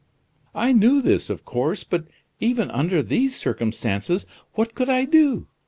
"I knew this, of course; but even under these circumstances, what could I do?"